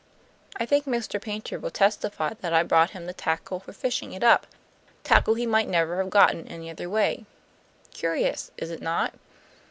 I think Mr. Paynter will testify that I brought him the tackle for fishing it up, tackle he might never have got in any other way. Curious, is it not?